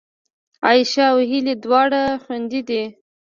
عایشه او هیله دواړه خوېندې دي